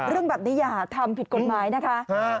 เรื่องแบบนี้อย่าทำผิดกฎหมายนะคะ